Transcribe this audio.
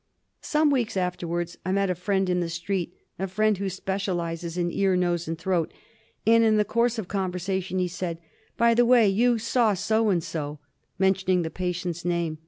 Some weeks afterwards I met a friend in the street — a friend who specialises in ear, nose, and throat — and in the course of conversation he said, " By the way, you saw so and so," mentioning the patient's name.